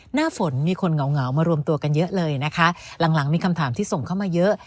หน้าฝนมีคนเหงามารวมตัวกันเยอะเลยนะคะหลังหลังมีคำถามที่ส่งเข้ามาเยอะ